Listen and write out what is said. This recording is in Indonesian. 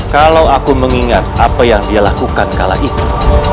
kalau aku mengingat apa yang dia lakukan kala itu